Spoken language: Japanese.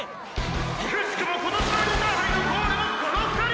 「奇しくも今年のインターハイのゴールもこの２人！！